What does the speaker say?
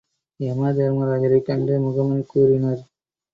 யமதருமராஜரைக் கண்டு முகமன் கூறினர்.